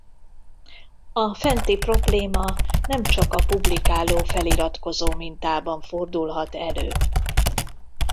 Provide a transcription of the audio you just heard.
A fenti probléma nemcsak a publikáló-feliratkozó mintában fordulhat elő.